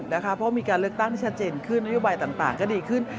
เพราะมีการเลือกตั้งที่ชัดเจนขึ้นนโยบายต่างก็ดีขึ้น